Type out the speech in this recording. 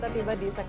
terima kasih pak